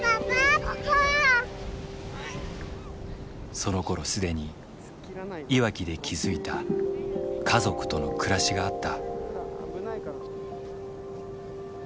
そのころ既にいわきで築いた家族との暮らしがあった。